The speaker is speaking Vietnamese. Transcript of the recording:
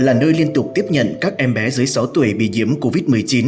là nơi liên tục tiếp nhận các em bé dưới sáu tuổi bị nhiễm covid một mươi chín